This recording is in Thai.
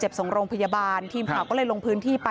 ช่องบ้านต้องช่วยแจ้งเจ้าหน้าที่เพราะว่าโดนฟันแผลเวิกวะค่ะ